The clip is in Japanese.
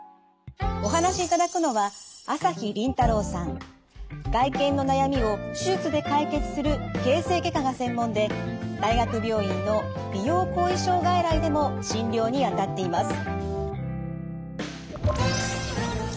お話しいただくのは外見の悩みを手術で解決する形成外科が専門で大学病院の美容後遺症外来でも診療にあたっています。